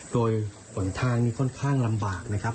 โดยหนทางนี้ค่อนข้างลำบากนะครับ